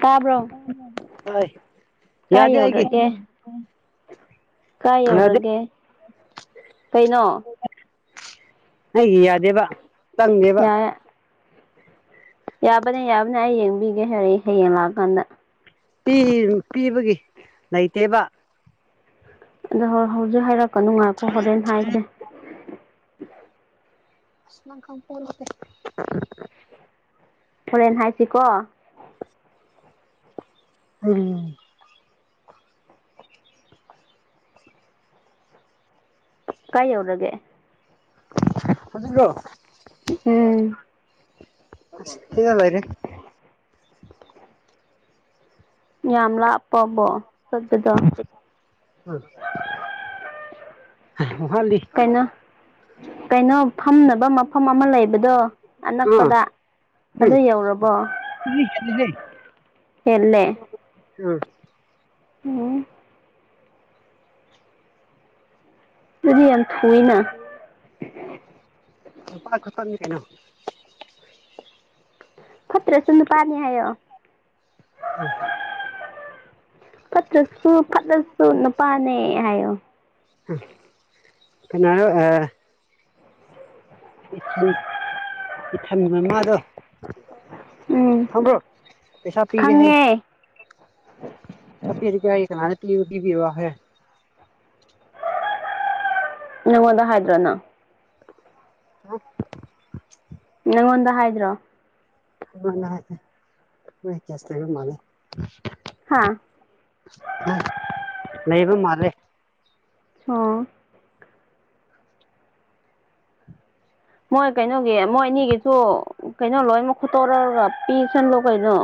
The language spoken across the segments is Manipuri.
ꯇꯥꯕ꯭ꯔꯣ ꯍꯣꯏ ꯀꯥꯏ ꯌꯥꯗꯦ ꯑꯩꯒꯤ ꯌꯧꯔꯒꯦ ꯀꯥꯏ ꯌꯥꯗꯦ ꯌꯧꯔꯒꯦ ꯀꯩꯅꯣ ꯑꯩꯒꯤ ꯌꯥꯗꯦꯕ ꯆꯪ ꯗꯦꯕ ꯌꯥꯕꯅꯦ ꯌꯥꯕꯅꯦ ꯑꯩ ꯍꯥ ꯌꯦꯟ ꯌꯦꯡꯕꯤꯒꯦ ꯍꯥꯏꯔꯛꯏ ꯍꯌꯦꯡ ꯂꯥꯛꯑꯀꯥꯟꯗ ꯄꯤꯕꯒꯤ ꯂꯩꯇꯦꯕ ꯑꯗꯣ ꯍ ꯍꯧꯖꯤꯛ ꯍꯥꯏꯔꯛꯀ ꯉꯥꯏꯈꯣꯀꯣ ꯍꯣꯔꯦꯟ ꯍꯥꯏꯁꯦ ꯑꯁ ꯅꯪ ꯈꯡ ꯄꯣꯠꯇꯦ ꯍꯣꯔꯦꯟ ꯍꯥꯏꯁꯤꯀꯣ ꯎꯝ [unintelligible] ꯀꯥꯏ ꯌꯧꯔꯒꯦ ꯍꯧꯖꯤꯛꯂꯣ ꯎꯝ ꯁꯤꯗꯥ ꯂꯩꯔꯦ ꯌꯥꯝ ꯂꯥꯞꯄꯕꯣ ꯆꯠꯄꯗꯣ ꯋꯥꯍꯜꯂꯤ ꯀꯩꯅꯣ ꯀꯩꯅꯣ ꯐꯝꯅꯕ ꯃꯐꯝ ꯑꯃ ꯂꯩꯕꯗꯣ ꯑꯥ ꯑꯅꯛꯄꯗ ꯑꯗꯨ ꯌꯧꯔꯕꯣ ꯎꯝ ꯍꯦꯜꯂꯦ ꯎꯝ ꯎꯝ ꯑꯗꯨꯗꯤ ꯌꯥꯝ ꯊꯨꯏꯅ ꯍꯥꯄꯥ ꯈꯇꯅꯤ ꯀꯩꯅꯣ ꯐꯠꯇꯔꯥꯁꯨ ꯅꯨꯄꯥꯅꯤ ꯍꯥꯏꯌꯣ ꯎꯝ ꯐꯠꯇ꯭ꯔꯁꯨ ꯐꯠꯇꯂꯁꯨ ꯅꯨꯄꯥꯅꯦ ꯍꯥꯏꯌꯣ ꯀꯥꯅꯔꯥ ꯑꯥ ꯏ ꯏꯊꯟ ꯃꯃꯥꯗꯣ ꯎꯝ ꯊꯪꯕ꯭ꯔꯣ ꯄꯩꯁꯥ ꯄꯤꯒꯦ ꯍꯥꯏꯌꯦ ꯈꯪꯉꯦ ꯑꯄꯤꯅꯤ [unintelligible] ꯄꯤꯕꯤꯔꯣ ꯍꯥꯏꯌꯦ ꯅꯉꯣꯟꯗ ꯍꯥꯏꯗ꯭ꯔꯥ ꯅꯪ [unintelligible] ꯅꯪꯉꯣꯟꯗ ꯍꯥꯏꯗ꯭ꯔꯣ ꯑꯩꯉꯣꯟꯗ ꯍꯥꯏ ꯃꯥꯏ ꯀ꯭ꯌꯥꯁꯇꯔ ꯃꯥꯂꯦ ꯍꯥꯥ ꯂꯩꯕ ꯃꯥꯜꯂꯦ ꯑꯣ ꯃꯣꯏ ꯀꯩꯅꯣꯒꯤ ꯃꯣꯏ ꯑꯅꯤꯒꯤꯁꯨ ꯀꯩꯅꯣ ꯂꯣꯏꯅꯃꯛ ꯐꯨꯠꯇꯣꯔꯣꯔꯥ ꯄꯤꯁꯟ ꯂꯣ ꯀꯩꯅꯣ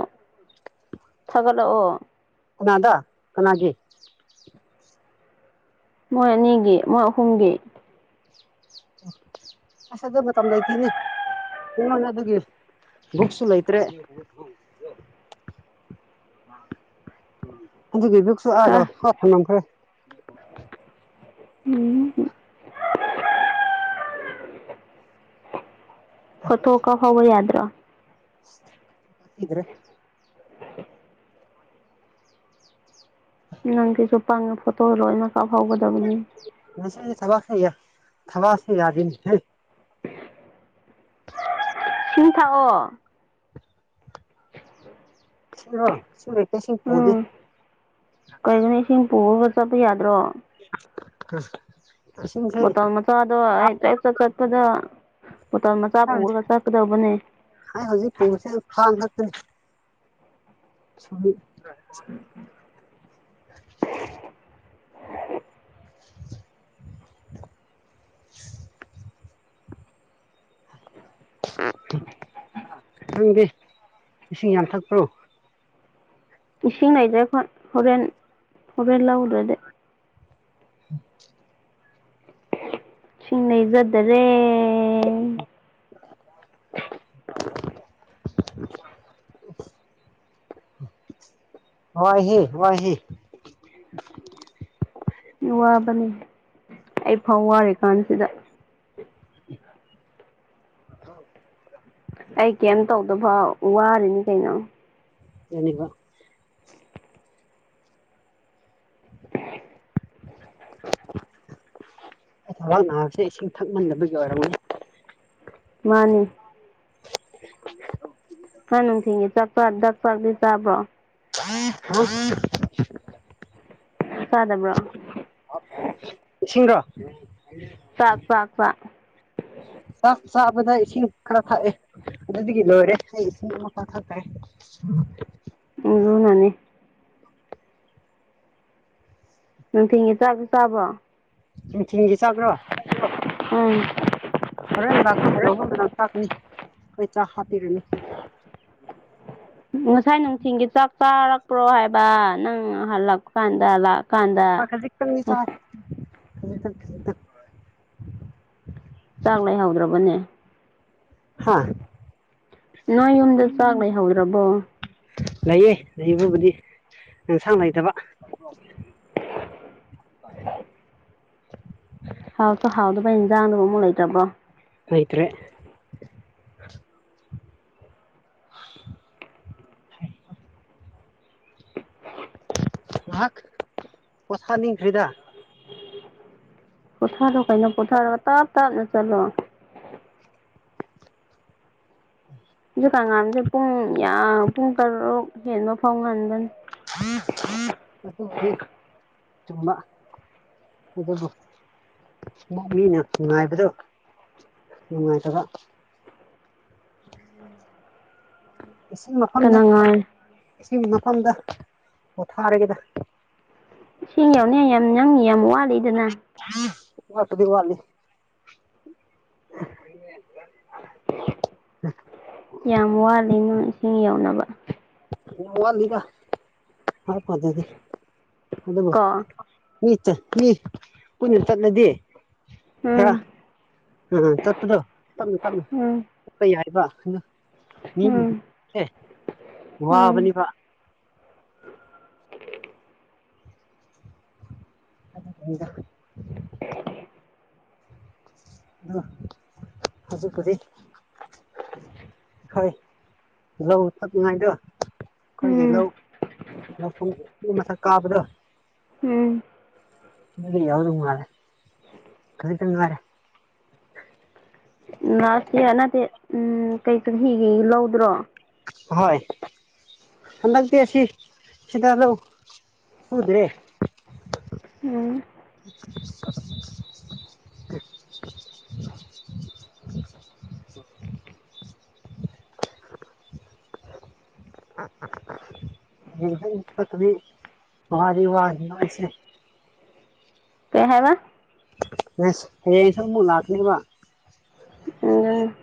ꯊꯥꯒꯠꯂꯛꯑꯣ ꯀꯅꯥꯗ ꯀꯅꯥꯒꯤ ꯃꯣꯏ ꯑꯅꯤꯒꯤ ꯃꯣꯏ ꯑꯍꯨꯝꯒꯤ ꯑꯁ ꯑꯗꯨ ꯃꯇꯝ ꯂꯩꯇꯔꯦꯅꯦ ꯏꯃꯥꯟꯅꯕꯒꯤ ꯕꯨꯛꯁꯨ ꯂꯩꯇ꯭ꯔꯦ [inaudible] ꯑꯗꯨꯒꯤ ꯕꯤꯁꯨ ꯀ [unintelligible] ꯅꯝꯈꯔꯦ ꯎꯝ ꯐꯣꯇꯣ ꯀꯞꯍꯧꯕ ꯌꯥꯗ꯭ꯔꯣ ꯀꯤꯗ꯭ꯔꯦ ꯅꯪ ꯁꯤꯁꯨ ꯄꯪꯉꯦ ꯐꯣꯇꯣ ꯂꯣꯏꯅ ꯀꯥꯞꯍꯧꯒꯗꯕꯅꯤ ꯉꯁꯥꯏꯅ ꯊꯕꯥꯛꯁꯦ ꯌꯥ ꯊꯕꯥꯛꯁꯦ ꯌꯥꯗꯦ ꯏꯁꯤꯡ ꯊꯥꯛꯑꯣ [unintelligible] ꯎꯝ ꯀꯩꯅꯣꯅꯦ ꯏꯁꯤꯡ ꯄꯨꯔꯒ ꯆꯠꯄ ꯌꯥꯗ꯭ꯔꯣ [unintelligible] ꯕꯣꯇꯜ ꯃꯆꯥꯗꯣ ꯑꯥ ꯑꯩ ꯆꯥꯛ ꯆꯠ ꯆꯠꯄꯗ ꯕꯣꯇꯜ ꯃꯆꯥ ꯄꯨꯔꯒ ꯆꯠꯀꯗꯧꯕꯅꯦ ꯑꯩ ꯍꯧꯖꯤꯛ ꯄꯣꯁꯦ ꯑꯗꯨ ꯊꯥꯡ ꯈꯛꯇꯅꯤ ꯁꯨꯝꯃꯤ ꯅꯪꯗꯤ ꯏꯁꯤꯡ ꯌꯥꯝ ꯊꯛꯄ꯭ꯔꯣ ꯏꯁꯤꯡ ꯂꯩꯗ꯭ꯔꯦ ꯍꯣꯔꯦꯟ ꯍꯣꯔꯦꯟ ꯂꯧꯗ꯭ꯔꯗꯤ [inaudible] ꯏꯁꯤꯡ ꯂꯩꯖꯗꯥꯔꯦ [unintelligible] ꯋꯥꯍꯤ ꯋꯥꯍꯤ ꯋꯥꯕꯅꯦ ꯑꯩ ꯐꯥꯎ ꯋꯥꯔꯤ ꯀꯥꯟꯁꯤꯗ [unintelligible] ꯑꯩ ꯀꯩꯝ ꯇꯧꯗꯕ ꯋꯥꯔꯤꯅꯤ ꯀꯩꯅꯣ [unintelligible] ꯑꯩ ꯊꯕꯥꯛ ꯅꯥꯕꯁꯦ ꯏꯁꯤꯡ ꯊꯛꯃꯟꯗꯕꯒꯤ ꯑꯣꯏꯔꯝꯒꯅꯤ ꯃꯟꯅꯤ [unintelligible] ꯅꯪ ꯅꯨꯡꯊꯤꯒꯤ ꯆꯠꯄ꯭ꯔꯥ ꯗꯛꯄꯗꯨ ꯆꯥꯕ꯭ꯔꯣ [unintelligible] ꯆꯥꯗꯕ꯭ꯔꯣ ꯏꯁꯤꯡꯔꯣ ꯆꯥꯛ ꯆꯥꯛ ꯆꯥꯛ ꯆꯥꯛ ꯆꯥꯕꯗ ꯏꯁꯤꯡ ꯈꯔ ꯊꯥꯛꯑꯦ ꯑꯗꯨꯗꯒꯤ ꯂꯣꯏꯔꯦ ꯑꯩ ꯏꯁꯤꯡ ꯑꯃꯇ ꯊꯛꯇ꯭ꯔꯦ [unintelligible] ꯎꯝ ꯅꯨꯡꯊꯤꯒꯤ ꯆꯥꯛ ꯆꯥꯕ꯭ꯔꯣ ꯅꯨꯡꯊꯤꯟꯒꯤ ꯆꯥꯛꯔ‌ꯣ ꯎꯝ ꯍꯣꯔꯦꯟ ꯂꯥꯛ [unintelligible] ꯇꯥꯛꯅꯤ ꯑꯩ ꯆꯥꯛ ꯍꯥꯞꯄꯤꯔꯥꯅꯨ ꯉꯥꯁꯥꯏ ꯅꯨꯡꯊꯤꯟꯒꯤ ꯆꯥꯛ ꯆꯥꯔꯛꯄ꯭ꯔꯣ ꯍꯥꯏꯕ ꯅꯪ ꯍꯜꯂꯛꯄ ꯀꯥꯟꯗ ꯂꯥꯛ ꯑꯥ ꯈꯥꯖꯤꯛꯇꯪꯗꯤ ꯆꯥꯢ ꯈꯤꯖꯤꯛꯇꯪ ꯈꯤꯖꯤꯛꯇꯪ ꯆꯥꯛ ꯂꯩꯍꯧꯗ꯭ꯔꯕꯅꯦ ꯍꯥꯥ ꯅꯣꯏ ꯌꯨꯝꯗ ꯆꯥꯛ ꯂꯩꯍꯧꯗ꯭ꯔꯥꯕꯣ ꯂꯩꯌꯦ ꯂꯩꯕꯕꯨꯗꯤ ꯑꯦꯟꯁꯥꯡ ꯂꯩꯇꯥꯕ ꯍꯥꯎꯁꯨ ꯍꯥꯎꯗꯕ ꯏꯟꯖꯥꯡꯗꯨꯕꯨ ꯑꯃꯨꯡ ꯂꯩꯇꯥꯕ꯭ꯔꯣ ꯂꯩꯇ꯭ꯔꯦ ꯉꯥꯍꯥꯛ ꯄꯣꯊꯥ ꯅꯤꯡꯈ꯭ꯔ‌ꯦꯗꯥ ꯄꯣꯊꯥꯔꯣ ꯀꯩꯅꯣ ꯄꯣꯊꯥꯔꯒ ꯇꯥꯞ ꯇꯥꯞꯅ ꯆꯠꯂꯣ ꯍꯧꯖꯤꯛꯀꯥꯟ ꯉꯥꯟꯕꯁ‌ꯦ ꯄꯨꯡ ꯌꯥꯝ ꯄꯨꯡ ꯇꯔꯨꯛ ꯍꯦꯟꯕ ꯐꯥꯎ ꯉꯟꯕꯅꯤ ꯑꯗꯨꯗꯤ ꯆꯨꯝꯕ ꯑꯗꯨꯕꯨ ꯃꯨꯛ ꯃꯤꯅ ꯉꯥꯏꯕꯗꯣ ꯅꯨꯡꯉꯥꯏꯇꯕ ꯏꯁꯤꯡ ꯃꯐꯝꯗ ꯀꯅꯥ ꯉꯥꯏ ꯏꯁꯤꯡ ꯃꯐꯝꯗ ꯄꯣꯊꯔꯥꯒꯦꯗ ꯏꯁꯤꯡ ꯌꯥꯎꯅꯤ ꯌꯥꯝ ꯅꯪ ꯌꯥꯝ ꯋꯥꯠꯂꯤꯗꯅ ꯋꯥꯠꯄꯗꯤ ꯋꯥꯠꯂꯤ ꯌꯥꯝ ꯋꯥꯠꯂꯤ ꯅꯣ‌‌ꯢ ꯃꯤ ꯌꯧꯅꯕ ꯋꯥꯝ ꯋꯥꯠꯂꯤꯗ [unintelligible] ꯑꯗꯨꯕꯨ ꯀꯣ ꯃꯤ ꯆꯠ ꯃꯤ ꯄꯨꯟꯅ ꯆꯠꯂꯗꯤ ꯈꯔꯥ ꯎꯝ ꯎꯝ ꯆꯠꯄꯗꯣ ꯇꯞꯅ ꯇꯞꯅ ꯎꯝ ꯆꯠꯄ ꯌꯥꯏꯑꯕ ꯑꯗꯣ ꯎꯝ [unintelligible] ꯎꯝ ꯋꯥꯕꯅꯤꯕ ꯑꯗꯨꯒꯤꯅꯤꯗ [unintelligible] ꯑꯗ‌ꯣ ꯍꯧꯖꯤꯛꯄꯨꯗꯤ [unintelligible] ꯍꯣꯏ ꯂꯧ ꯊꯛꯅꯤꯉꯥꯏꯗꯣ ꯑꯩꯈꯣꯏꯒꯤ ꯎꯝ ꯂꯧ ꯂꯧꯐꯝ ꯎ ꯃꯊꯛ ꯀꯥꯕꯗꯣ ꯎꯝ ꯑꯗꯨꯗꯤ ꯌꯥꯗꯧ ꯃꯥꯂꯦ ꯈꯖꯤꯛꯇꯪ ꯉꯥꯏꯔ‌ꯦ ꯅꯥꯁꯅꯤꯌꯥ ꯅꯠꯇꯦ ꯎꯝ ꯀꯩ ꯆꯍꯤꯒꯤ ꯂꯧꯗ꯭ꯔꯣ ꯍꯣꯏ ꯍꯟꯗꯛꯇꯗꯤ ꯑꯁꯤ ꯁꯤꯗ ꯂꯧ ꯁꯨꯗ꯭ꯔꯦ ꯎꯝ [unintelligible] ꯋꯥꯗꯤ ꯋꯥꯅꯤ ꯑꯩꯁꯦ ꯀꯩ ꯍꯥꯏꯕ ꯑꯦꯁ ꯍꯌꯦꯡ ꯏꯁꯪꯕꯨ ꯂꯥꯛꯇꯨꯏꯕ ꯎꯝ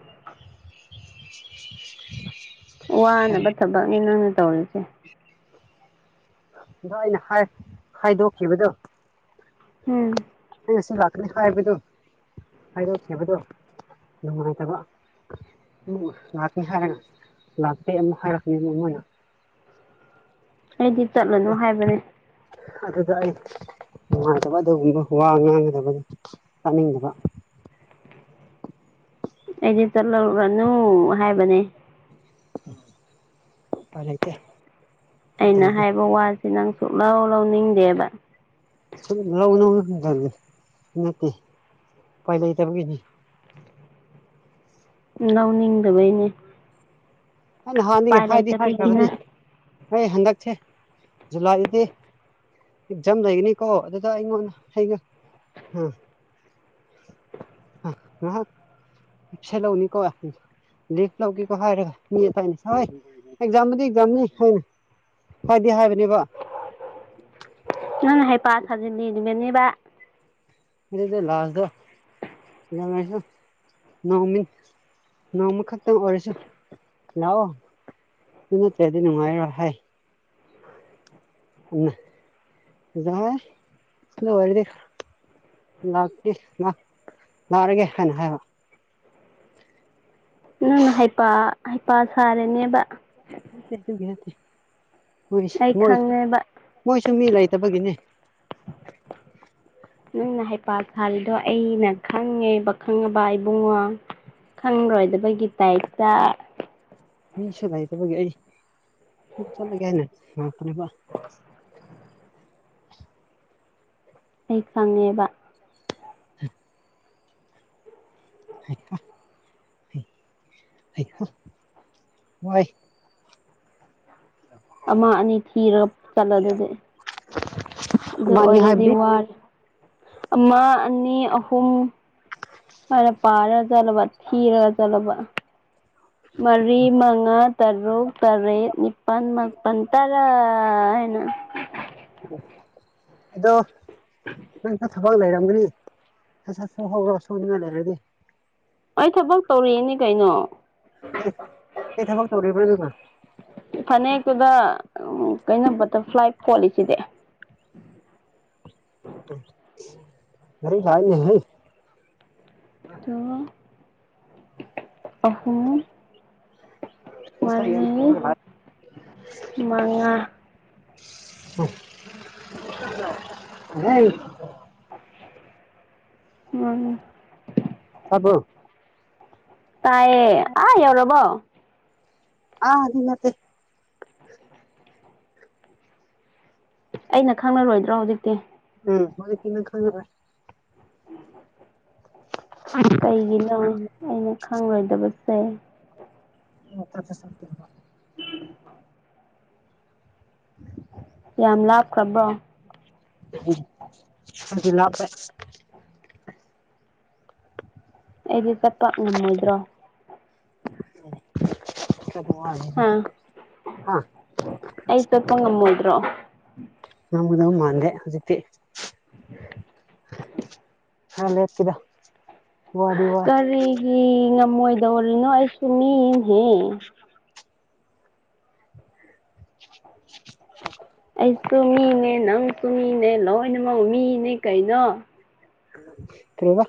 [inaudible] ꯋꯥꯅꯕ ꯊꯕꯛꯅꯤ ꯅꯪꯅ ꯇꯧꯔꯤꯁꯦ ꯑꯗꯣ ꯑꯩꯅ ꯍꯥꯏ-ꯍꯥꯏꯗꯣꯛꯈꯤꯕꯗꯣ ꯎꯝ ꯑꯩꯅꯁꯨ ꯂꯥꯛꯀꯅꯤ ꯍꯥꯏꯕꯗꯣ ꯍꯥꯏꯗꯣꯛꯈꯤꯕꯗꯣ ꯅꯨꯡꯉꯥꯏꯇꯕ ꯎꯝ ꯉꯥꯛꯀꯦ ꯍꯥꯏꯔꯥꯒ ꯂꯥꯛꯇꯦ ꯌꯥꯝꯅ ꯍꯥꯏꯔꯛꯀꯥꯅꯤ ꯃꯣꯏꯅ ꯑꯩꯗꯤ ꯆꯠꯂꯅꯨ ꯍꯥꯏꯕꯅꯦ ꯑꯗꯨꯗ ꯑꯩ ꯅꯨꯡꯉꯥꯏꯇꯕ ꯑꯗꯨꯒꯨꯝꯕ ꯋꯥ ꯉꯥꯡꯒꯗꯕꯅꯤ ꯇꯥꯅꯤꯡꯗꯕ ꯑꯩꯗꯤ ꯆꯠꯂꯨꯔꯥꯅꯨ ꯍꯥꯏꯕꯅꯦ ꯎꯄꯥꯏ ꯂꯩꯇꯦ ꯑꯩꯅ ꯅꯠꯇ꯭ꯔꯗꯤ ꯍꯥꯏꯕ ꯋꯥꯖꯦ ꯅꯪ ꯁꯨꯛꯂꯧ ꯂꯧꯅꯤꯡꯗꯦꯕ ꯁꯨꯛꯂꯧ ꯂꯧꯅꯤꯡ ꯅꯠꯇꯦ ꯎꯄꯥꯏ ꯂꯩꯇꯥꯕꯒꯤꯅꯤ ꯂꯧꯅꯤꯡꯗꯕꯩꯅꯤ ꯑꯩ ꯅꯍꯥꯟꯅꯗꯒꯤ ꯍꯥꯏꯗꯤ ꯂꯩꯇꯕꯒꯤ ꯍꯥꯏꯈ꯭ꯔꯥꯕꯅꯤ ꯅꯠ ꯑꯩ ꯍꯟꯗꯛꯁꯦ ꯖꯨꯂꯥꯏꯗꯤ ꯑꯦꯛꯖꯝ ꯂꯩꯒꯅꯤꯀꯣ ꯑꯗꯨꯗ ꯑꯩꯉꯣꯟꯗ ꯑꯩꯒ ꯍꯥ ꯍꯥ ꯉꯥꯍꯥꯛ ꯁꯦ ꯂꯧꯅꯤꯀꯣ ꯂꯤꯞ ꯂꯧꯒꯦꯀꯣ ꯍꯥꯏꯔꯥꯒ ꯃꯤꯌꯦꯠ ꯍꯥꯏꯅꯤ ꯁꯥꯍꯣꯏ ꯑꯦꯛꯖꯥꯝꯗꯨꯗꯤ-ꯑꯦꯛꯖꯥꯝꯅꯤ ꯍꯥꯏꯅ ꯍꯥꯏꯗꯤ ꯍꯥꯏꯕꯅꯦꯕ ꯅꯪꯅ ꯍꯩ ꯄꯥ ꯁꯥꯖꯤꯟ ꯂꯤ ꯗꯨꯅꯦꯕ ꯑꯗꯨꯗ ꯂꯥ꯭ꯖꯗ ꯌꯥꯃꯩꯁꯨ ꯅꯥꯎꯃꯤ ꯅꯣꯡꯃ ꯈꯛꯇꯪ ꯑꯣꯏꯔꯁꯨ ꯂꯥꯛꯑꯣ ꯑꯗꯨ ꯅꯠꯇ꯭ꯔꯥꯗꯤ ꯅꯨꯡꯉꯥꯏꯔꯣꯏ ꯍꯥꯏ ꯑꯗꯨꯅ ꯖꯥꯏ ꯂꯣꯏꯔꯥꯗꯤ ꯂꯥꯛꯇꯤ ꯉꯥꯛ ꯂꯥꯔꯒꯦ ꯍꯥꯏꯅ ꯍꯥꯏꯕ ꯅꯪꯅ ꯍꯩꯄꯥ-ꯍꯩꯄꯥ ꯁꯥꯔꯦꯅꯦꯕ ꯅꯠꯇꯦ ꯑꯗꯨ ꯅꯠꯇꯦ ꯑꯩ ꯈꯪꯉꯦꯕ ꯃꯣꯏꯁꯨ-ꯃꯣꯏꯁꯨ-ꯃꯣꯏꯁꯨ ꯃꯤ ꯂꯩꯇꯕꯒꯤꯅꯦ [inaudible] ꯅꯪꯅ ꯍꯩꯄꯥ ꯁꯥꯥꯜꯂꯤꯗꯣ ꯑꯩꯅ ꯈꯪꯉꯦꯕ ꯈꯪꯉꯥꯕ ꯏꯕꯨꯡꯉꯣ ꯈꯪꯔꯣꯏꯗꯕꯒꯤ ꯇꯥꯏꯞꯇ ꯃꯤꯁꯨ ꯂꯩꯇꯕꯒꯤ ꯑꯩ ꯆꯠꯂꯒꯦ ꯍꯥꯏꯅ ꯂꯥꯛꯄꯅꯦꯕ ꯑꯩ ꯈꯪꯉꯦꯕ ꯍ [inaudible] ꯋꯥꯏ ꯑꯃ ꯑꯅꯤ ꯊꯤꯔꯥꯒ ꯆꯠꯂꯣ ꯗꯨꯗꯤ ꯑꯗꯨ ꯑꯃꯅꯤ ꯑꯣꯏꯔꯗꯤ ꯍꯥꯏꯕꯗꯤ ꯋꯥꯔ ꯑꯃ ꯑꯅꯤ ꯑꯍꯨꯝ ꯍꯥꯏꯅ ꯄꯥꯔꯒ ꯆꯠꯂꯣꯕ ꯊꯤꯔꯥꯒ ꯆꯠꯂꯣꯕ ꯃꯔꯤ ꯃꯉꯥ ꯇꯔꯨꯛ ꯇꯔꯦꯠ ꯅꯤꯄꯥꯜ ꯃꯥꯄꯟ ꯇꯔꯥ ꯍꯥꯏꯅ ꯑꯗꯣ ꯎꯝ [inaudible] ꯅꯪ ꯊꯕꯛ ꯂꯩꯔꯝꯒꯅꯤ ꯁꯠ-ꯁꯠ ꯁꯨꯍꯧꯔꯣ ꯁꯣꯛꯅꯤꯡꯉꯥꯏ ꯂꯩꯔꯥꯗꯤ ꯑꯩ ꯊꯕꯛ ꯇꯧꯔꯤꯅꯤ ꯀꯩꯅꯣ ꯍꯦ ꯀꯩ ꯊꯕꯛ ꯇꯧꯔꯤꯕ꯭ꯔꯣ ꯅꯪꯅ ꯐꯅꯦꯛꯇꯨꯗ ꯎꯝ ꯀꯩꯅꯣ ꯕꯥꯇ꯭ꯔꯐ꯭ꯂꯥꯏ ꯐꯣꯂꯤꯁꯤꯗꯤ ꯉꯔꯤ ꯂꯥꯏ ꯅꯦꯍꯦ ꯑꯣ ꯑꯍꯨꯝ ꯄꯁ ꯃꯔꯤ ꯃꯉꯥ [unintelligible] [unintelligible] [inaudible] [inaudible] ꯎꯝ [unintelligible] ꯇꯥꯕꯣ ꯇꯥꯏꯌꯦ ꯑꯥ ꯌꯧꯔꯕꯣ ꯑ ꯗꯤ ꯅꯠꯇꯦ ꯑꯩꯅ ꯈꯪꯂꯔꯣꯏꯗ꯭ꯔꯣ ꯍꯧꯖꯤꯛꯇꯤ ꯎꯝ ꯍꯧꯖꯤꯛꯇꯤ ꯅꯪ ꯈꯪꯉꯔꯣꯏ ꯀꯩꯒꯤꯅꯣ ꯑꯩꯅ ꯈꯪꯂꯣꯏꯗꯕꯁꯦ [unintelligible] [inaudible] [inaudible] ꯎ [inaudible] ꯌꯥꯝ ꯂꯥꯞꯈ꯭ꯔꯕ꯭ꯔꯣ ꯈꯔꯗꯤ ꯂꯥꯞꯄꯦ ꯑꯩꯗꯤ ꯆꯠꯄ ꯉꯝꯃꯣꯏꯗ꯭ꯔꯣ ꯆꯠꯄ ꯍꯥ ꯋꯥꯅꯤꯗꯍꯥ ꯑꯩ ꯆꯠꯄ ꯉꯝꯃꯣꯏꯗ꯭ꯔꯣ ꯉꯝꯒꯗꯧ ꯃꯥꯟꯗꯦ ꯍꯧꯖꯤꯛꯇꯤ ꯍꯥ ꯂꯦꯠꯒꯦꯗ ꯀꯔꯤꯒꯤ ꯉꯝꯃꯣꯏꯗꯧꯔꯤꯅꯣ ꯑꯩꯁꯨ ꯃꯤꯅꯤꯅꯦꯍꯦ [inaudible] ꯑꯩꯁꯨ ꯃꯤꯅꯦ ꯅꯪꯁꯨ ꯃꯤꯅꯦ ꯂꯣꯏꯅꯃꯛ ꯃꯤꯅꯦ ꯀꯩꯅꯣ ꯀꯩꯑꯕ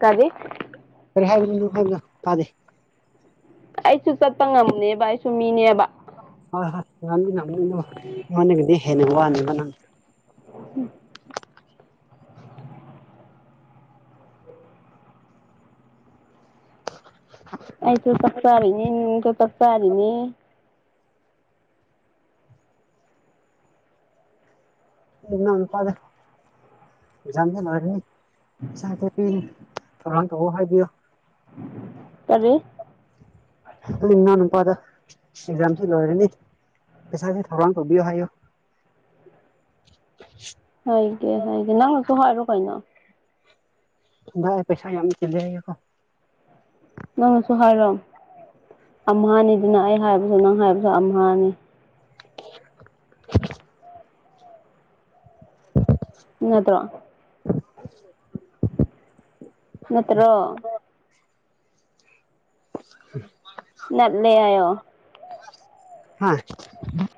ꯀꯔꯤ ꯀꯔꯤ ꯍꯥꯏꯕꯅꯣ [unintelligible] ꯇꯥꯗꯦ ꯑꯩꯁꯨ ꯆꯠꯄ ꯉꯝꯅꯦꯕ ꯑꯩꯁꯨ ꯃꯤꯅꯦꯕ ꯍꯣꯏ ꯍꯣꯏ ꯉꯝꯅꯤ ꯉꯝꯅꯤ [inaudible] ꯃꯅꯒꯗꯤ ꯍꯦꯅ ꯋꯥꯅꯤꯕ ꯅ ꯎꯝ [inaudible] ꯑꯥꯏꯁꯨ ꯆꯛꯆꯥꯥꯔꯤꯅꯤ ꯅꯪꯁꯨ ꯆꯛꯆꯥꯔꯤꯅꯤ ꯏꯅꯥꯎ ꯅꯨꯄꯗ [unintelligible] [unintelligible] ꯊꯧꯔꯥꯡ ꯇꯧꯋꯣ ꯍꯥꯏꯕꯤꯌꯣ ꯀꯔꯤ ꯅꯣꯏ ꯏꯅꯥꯎ ꯅꯨꯄꯥꯗ ꯑꯦꯛꯖꯥꯝꯁꯨ ꯂꯣꯏꯔꯅꯤ ꯄꯩꯁꯥꯒꯤ ꯊꯧꯔꯥꯡ ꯇꯧꯕꯤꯌꯣ ꯍꯥꯏꯌꯣ ꯍꯥꯏꯒꯦ ꯍꯥꯏꯒꯦ ꯅꯪꯅꯁꯨ ꯍꯥꯏꯔꯨ ꯀꯩꯅꯣ ꯏꯕꯥ ꯄꯩꯁꯥ ꯌꯥꯝ ꯆꯤꯜꯂꯦ ꯍꯥꯏꯌꯨꯀꯣ ꯅꯪꯅꯁꯨ ꯍꯥꯏꯔꯣ ꯑꯝꯍꯅꯤꯗꯅ ꯑꯩ ꯍꯥꯏꯕꯁꯨ ꯅꯪ ꯍꯥꯏꯕꯁꯨ ꯑꯝꯍꯥꯅꯤ ꯅꯠꯇ꯭ꯔꯣ ꯅꯠꯇ꯭ꯔꯣ ꯎ [unintelligible] [inaudible] ꯅꯠꯂꯦ ꯍꯥꯏꯌꯣ ꯍꯥ